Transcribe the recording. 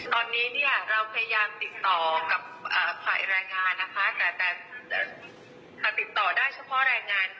ตอนนี้เราพยายามติดต่อกับฝ่ายแรงงานนะคะ